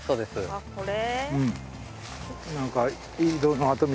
あっこれ。